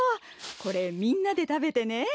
これみんなでたべてね。